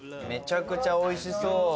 めちゃくちゃおいしそう。